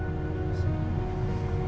terima kasih banyak